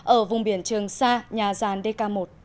ở vùng biển trường sa nhà giàn dk một